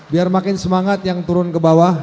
biar makin semangat yang turun ke bawah